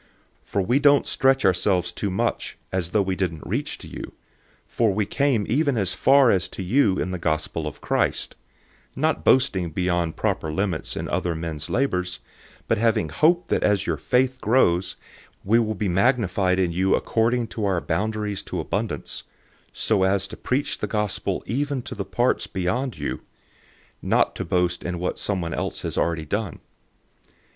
010:014 For we don't stretch ourselves too much, as though we didn't reach to you. For we came even as far as to you with the Good News of Christ, 010:015 not boasting beyond proper limits in other men's labors, but having hope that as your faith grows, we will be abundantly enlarged by you in our sphere of influence, 010:016 so as to preach the Good News even to the parts beyond you, not to boast in what someone else has already done.